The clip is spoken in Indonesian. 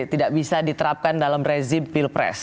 tidak bisa diterapkan dalam rezim pilpres